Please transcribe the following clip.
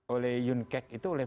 oleh yunkek itu oleh